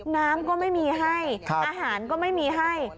น้ำก็ไม่มีให้อาหารก็ไม่มีให้